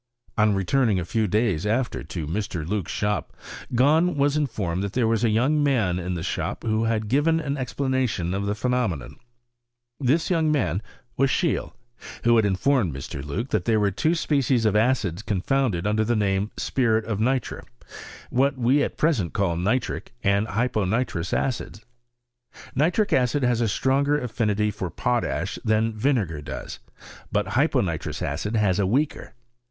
On returning a few days after to Mr. Loock's sliop, Gahn was iii fonned that there was a young man in the shop who had given an explanation of the phenomenon. This young man was Seheele, who had informed Mr. Loock that there were two species of acids con founded under the name of spiril of nitre ; what we at present call nitric and hyponitrous acidi* Nitric acid has a stronger affinity for potash thu vinegar has ; but hyponitrous acid has a weaker.